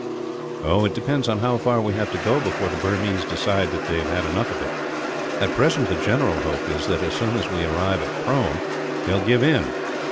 "It depends how far we have to go before the Burmese decide that they have had enough of it. At present, the general hope is that, as soon as we arrive at Prome, they will give in.